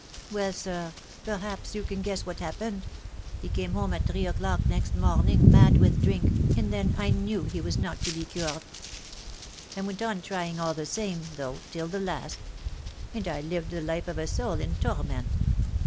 Well, sir, perhaps you can guess what happened. He came home at three o'clock next morning: mad with drink, and then I knew he was not to be cured. I went on trying all the same, though, till the last; and I lived the life of a soul in tor ment.